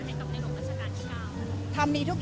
เดี๋ยวเราจะไปฟังเสียงข้ามปีนะคะ